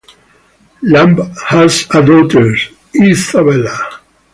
Lamb has a daughter Isabella.